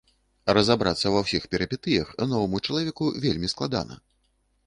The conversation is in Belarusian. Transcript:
Разабрацца ва ўсіх перыпетыях новаму чалавеку вельмі складана.